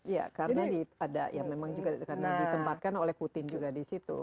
ya karena ada yang memang juga karena ditempatkan oleh putin juga di situ